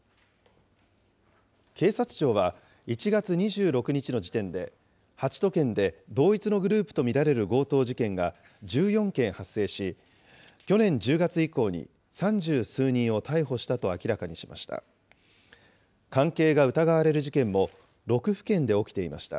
警察庁は、１月２６日の時点で、８都県で同一のグループと見られる強盗事件が１４件発生し、去年１０月以降に三十数人を逮捕したと明らかにしました。